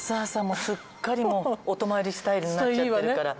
もうすっかりもうお泊まりスタイルになっちゃってるから。